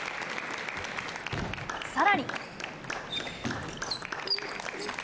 さらに。